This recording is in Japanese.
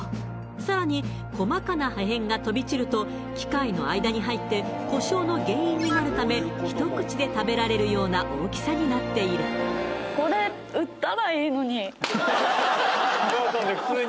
さらに細かな破片が飛び散ると機械の間に入って故障の原因になるため一口で食べられるような大きさになっているローソンで普通に？